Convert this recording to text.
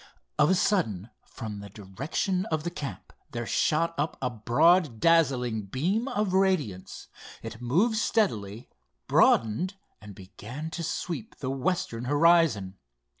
Of a sudden, from the direction of the camp, there shot up a broad, dazzling beam of radiance. It moved steadily, broadened and began to sweep the western horizon.